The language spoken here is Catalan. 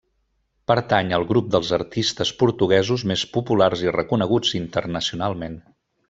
Pertany al grup dels artistes portuguesos més populars i reconeguts internacionalment.